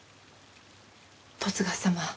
十津川様